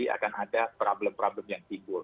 akan ada problem problem yang timbul